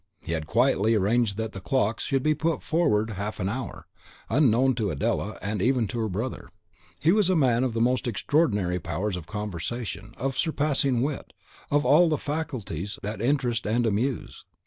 He had quietly arranged that the clocks should be put forward half an hour, unknown to Adela, and even to her brother. He was a man of the most extraordinary powers of conversation, of surpassing wit, of all the faculties that interest and amuse.